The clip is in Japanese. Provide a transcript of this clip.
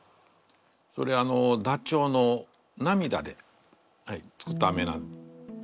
それダチョウの涙で作ったアメなんです。